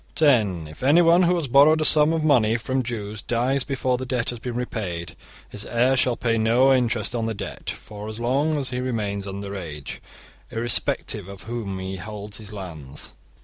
(10) If anyone who has borrowed a sum of money from Jews dies before the debt has been repaid, his heir shall pay no interest on the debt for so long as he remains under age, irrespective of whom he holds his lands.